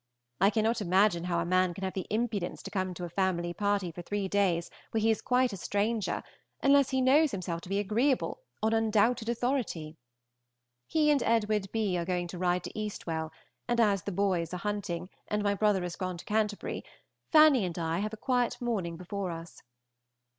I cannot imagine how a man can have the impudence to come into a family party for three days, where he is quite a stranger, unless he knows himself to be agreeable on undoubted authority. He and Edw. B. are going to ride to Eastwell, and as the boys are hunting, and my brother is gone to Canty., Fanny and I have a quiet morning before us.